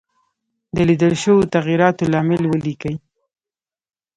د لیدل شوو تغیراتو لامل ولیکئ.